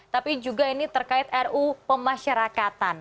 tapi juga ini terkait ruu pemasyarakatan